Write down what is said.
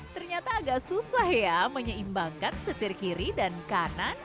ternyata agak susah ya menyeimbangkan setir kiri dan kanan